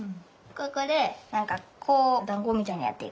ここでなんかこうだんごみたいにやっていくが。